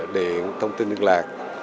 điện thông tin liên lạc